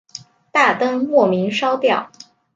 大灯莫名烧掉